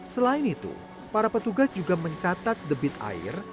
selain itu para petugas juga mencatat debit air